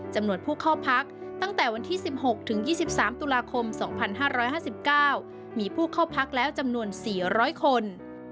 จำนวนผู้เข้าพักตั้งแต่วันที่๑๖ถึง๒๓ตุลาคม๒๕๕๙มีผู้เข้าพักแล้วจำนวน๔๐๐คน